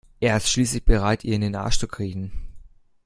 Er ist schließlich bereit ihr in den Arsch zu kriechen.